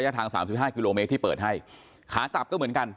ระยะทาง๓๕กิโลเมตรที่เปิดให้ขากลับก็เหมือนกัน